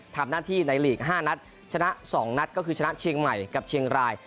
ทำหน้าที่ในหลีก๕นัดชนะ๒นัดก็คือชนะเชียงใหม่กับเชียงราย